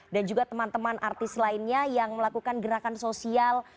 dan juga teman teman artis lainnya yang melakukan gerakan sosial turut